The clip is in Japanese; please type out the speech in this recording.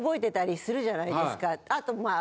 あとまあ。